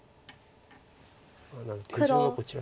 手順はこちら。